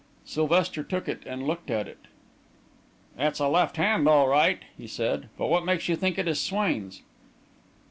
Sylvester took it and looked at it. "It's a left hand all right," he said. "But what makes you think it is Swain's?"